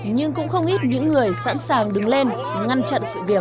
nhưng cũng không ít những người sẵn sàng đứng lên ngăn chặn sự việc